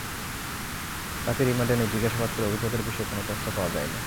তাঁকে রিমান্ডে নিয়ে জিজ্ঞাসাবাদ করে অভিযোগের বিষয়ে কোনো তথ্য পাওয়া যায়নি।